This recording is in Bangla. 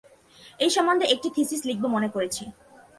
এই সম্বন্ধে একটা থীসিস লিখব মনে করেছি।